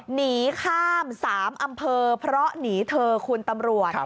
หนีข้าม๓อำเภอเพราะหนีเธอคุณตำรวจ